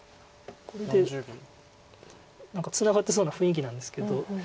これで何かツナがってそうな雰囲気なんですけど。